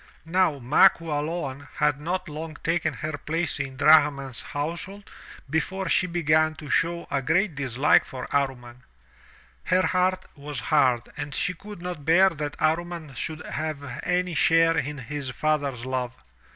Now Ma Qualoan had not long taken her place in Drahman's household before she began to show a great dislike for Amman. Her heart was hard and she could not bear that Amman should have any share in his father's love.